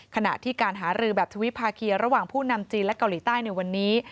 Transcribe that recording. ขณะที่การหารือแบบทวิภาคีระหว่างผู้นำจีนและเกาหลีใต้ในวันนี้